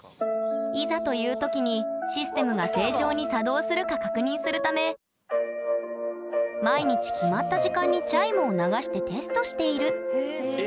いざという時にシステムが正常に作動するか確認するため毎日決まった時間にチャイムを流してテストしているえ